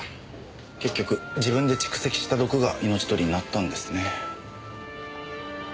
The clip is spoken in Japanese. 結局自分で蓄積した毒が命取りになったんですね。